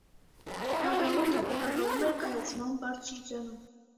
Նա գաղութը ղեկավարում էր կայացման բարդ շրջանում։